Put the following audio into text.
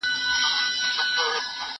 زه هره ورځ د ښوونځي کتابونه مطالعه کوم..